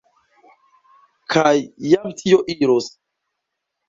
Kaj jam tio iros.